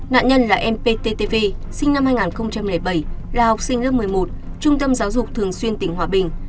nạn nhân là em pttv sinh năm hai nghìn bảy là học sinh lớp một mươi một trung tâm giáo dục thường xuyên tỉnh hòa bình